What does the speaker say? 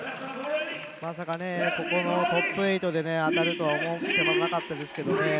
まさかこのトップ８で当たるとは思ってませんでしたけど